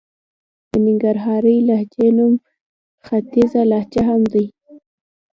د ننګرهارۍ لهجې نوم ختيځه لهجه هم دئ.